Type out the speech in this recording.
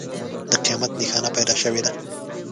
د قیامت نښانه پیدا شوې ده.